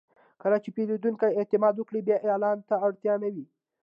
کله چې پیرودونکی اعتماد وکړي، بیا اعلان ته اړتیا نه وي.